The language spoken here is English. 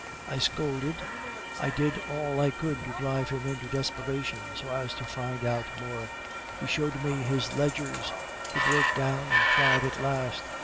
I scolded, I did all I could to drive him to desperation, so as to find out more. He showed me his ledgers he broke down and cried at last.